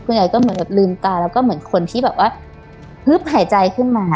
ใหญ่ก็เหมือนแบบลืมตาแล้วก็เหมือนคนที่แบบว่าฮึบหายใจขึ้นมา